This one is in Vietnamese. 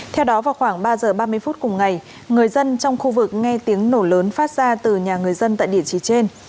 theo đó vào khoảng ba giờ ba mươi phút cùng ngày người dân trong khu vực nghe tiếng nổ lớn phát ra từ nhà người dân tại địa chỉ trên